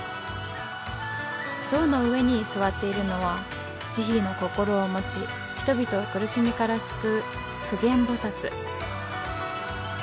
象の上に座っているのは慈悲の心を持ち人々を苦しみから救う普賢菩薩。